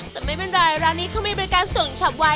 แต่ไม่เป็นไรร้านนี้เขาไม่เป็นการส่งชับไว้